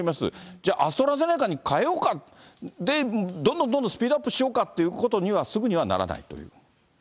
じゃあアストラゼネカに変えようか、どんどんどんどんスピードアップしようかということには、すぐにはならないという？